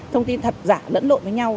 thông tin thật giả lẫn lộn với nhau